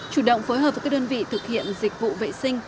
chủ động phối hợp với các đơn vị thực hiện dịch vụ vệ sinh